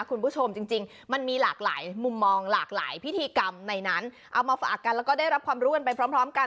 คุณผู้ชมจริงจริงมันมีหลากหลายมุมมองหลากหลายพิธีกรรมในนั้นเอามาฝากกันแล้วก็ได้รับความรู้กันไปพร้อมพร้อมกัน